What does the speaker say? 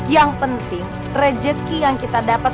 yang penting rejeki yang kita dapat